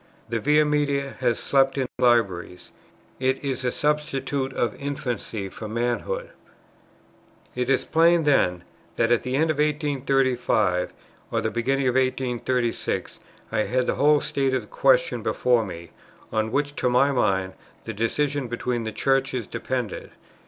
"The Via Media has slept in libraries; it is a substitute of infancy for manhood." It is plain, then, that at the end of 1835 or beginning of 1836, I had the whole state of the question before me, on which, to my mind, the decision between the Churches depended.